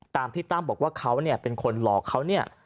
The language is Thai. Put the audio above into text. ตามที่ตั้มบอกว่าเขาเนี่ยเป็นคนหลอกเขาเนี่ย